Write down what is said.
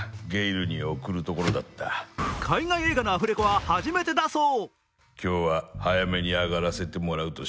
海外映画のアフレコは初めてだそう。